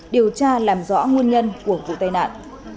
điều tra làm rõ nguồn nhân của vụ tai nạn